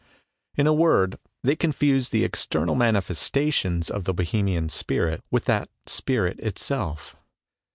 In a word, they confuse the external manifesta tions of the Bohemian spirit with that spirit itself.